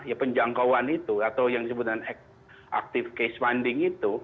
ya penjangkauan itu atau yang disebutkan active case finding itu